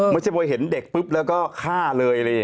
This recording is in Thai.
ไม่ใช่พอเห็นเด็กปุ๊บแล้วก็ฆ่าเลย